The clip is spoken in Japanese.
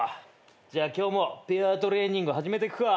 じゃあ今日もペアートレーニング始めてくか。